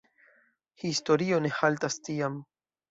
Historio ne haltas tiam.